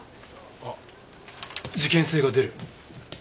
あっ事件性が出る。